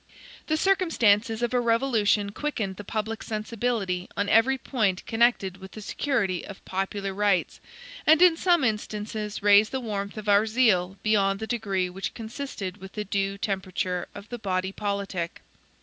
The circumstances of a revolution quickened the public sensibility on every point connected with the security of popular rights, and in some instances raise the warmth of our zeal beyond the degree which consisted with the due temperature of the body politic.